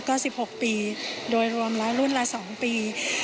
ก็๑๖ปีโดยรวมแล้วรุ่นละ๒ปี